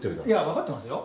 分かってますよ。